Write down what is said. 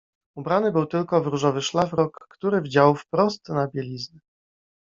"Ubrany był tylko w różowy szlafrok, który wdział wprost na bieliznę."